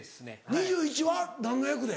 ２１は何の役で？